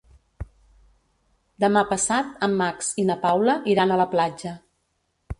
Demà passat en Max i na Paula iran a la platja.